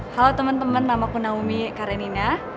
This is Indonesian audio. halo teman teman nama ku naomi karenina